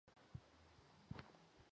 不如把工作辞掉